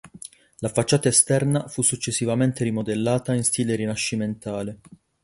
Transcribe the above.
La facciata esterna fu successivamente rimodellata in stile rinascimentale.